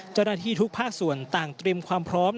เจ้าหน้าที่ทุกภาคส่วนต่างเตรียมความพร้อม